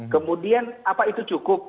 kemudian apa itu cukup